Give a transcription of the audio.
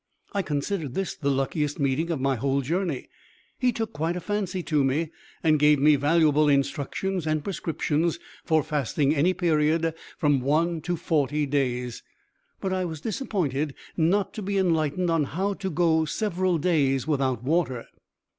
I considered this the luckiest meeting of my whole journey. He took quite a fancy to me and gave me valuable instructions and prescriptions for fasting any period from one to forty days; but I was disappointed not to be enlightened on how to go several days without water.